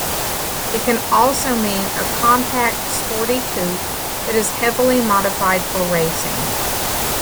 It can also mean a compact sporty coupe that is heavily modified for racing.